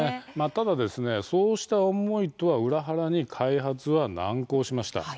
ただ、そうした思いとは裏腹に開発は難航しました。